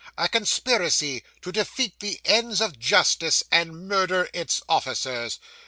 'A conspiracy to defeat the ends of justice, and murder its officers.